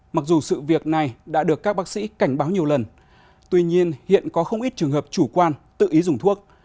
mặc dù sự việc này đã được các bác sĩ cảnh báo nhiều lần tuy nhiên hiện có không ít trường hợp chủ quan tự ý dùng thuốc